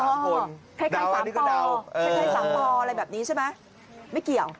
ดาวนี่ก็ดาวใช่ไหมไม่เกี่ยว